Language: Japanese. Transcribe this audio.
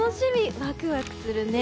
ワクワクするね。